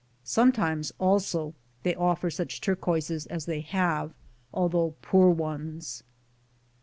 Sometimes, also, they offer such turquoises as they have, although poor ones.